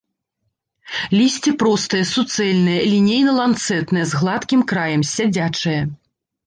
Лісце простае, суцэльнае, лінейна-ланцэтнае, з гладкім краем, сядзячае.